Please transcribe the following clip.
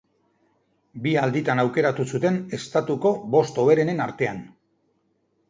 Bi alditan aukeratu zuten estatuko bost hoberenen artean.